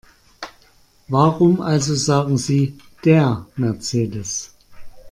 Warum also sagen Sie DER Mercedes?